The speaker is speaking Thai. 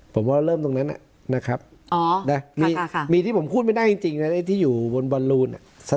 ผมว่าเริ่มตรงนั้นนะครับมีที่ผมพูดไม่ได้จริงนะที่อยู่บนบอลลูน